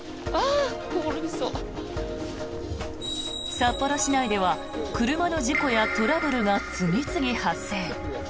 札幌市内では車の事故やトラブルが次々発生。